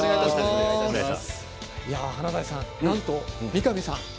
華大さん、なんと三上さん